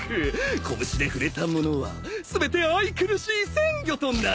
拳で触れたものは全て愛くるしい鮮魚となる。